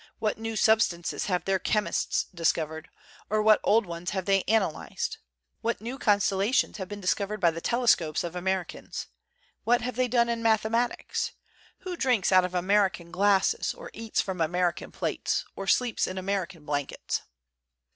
What new substances have their chemists discovered? THE CENTENARY OF A QUESTION or what old ones have they analized ? What new con stellations have been discovered by the telescopes of Americans? What have they done in mathematics? Who drinks out of American glasses? or eats from American plates? or sleeps in American blankets?